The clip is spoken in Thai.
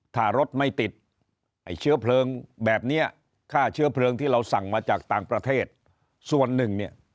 ถ้ารถไม่ติดไอ้เชื้อเพลิงแบบเนี้ยค่าเชื้อเพลิงที่เราสั่งมาจากต่างประเทศส่วนหนึ่งเนี่ย